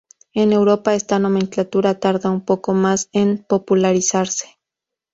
En Europa esta nomenclatura tarda un poco más en popularizarse.